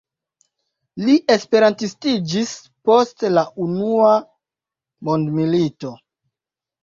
Li esperantistiĝis post la unua mondmilito.